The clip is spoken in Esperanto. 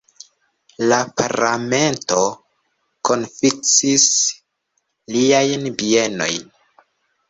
La Parlamento konfiskis liajn bienojn.